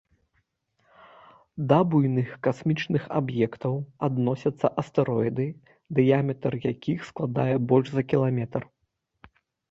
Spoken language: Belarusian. Да буйных касмічных аб'ектаў адносяцца астэроіды, дыяметр якіх складае больш за кіламетр.